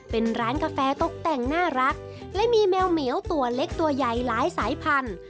เป็นร้านกาแฟตกแต่งน่ารักและมีแมวเหมียวตัวเล็กตัวใหญ่หลายสายพันธุ